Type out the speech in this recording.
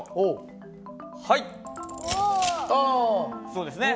そうですね。